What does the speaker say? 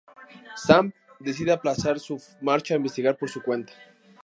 Sam decide aplazar su marcha e investigar por su cuenta.